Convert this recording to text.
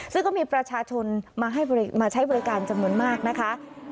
ซึ่งก็มีประชาชนมาใช้บริการจำนวนมากนะคะ